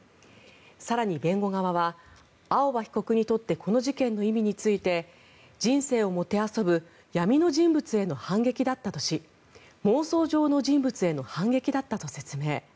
更に弁護側は青葉被告にとってこの事件の意味について人生をもてあそぶ闇の人物への反撃だったとし妄想上の人物への反撃だったと説明。